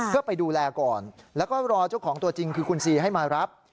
เพื่อไปดูแลก่อนแล้วก็รอเจ้าของตัวจริงคือคุณซีให้มารับ